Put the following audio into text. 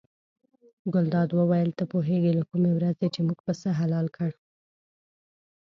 ګلداد وویل ته پوهېږې له کومې ورځې چې موږ پسه حلال کړ.